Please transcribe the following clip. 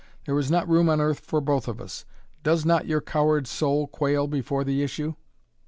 There is not room on earth for both of us. Does not your coward soul quail before the issue?"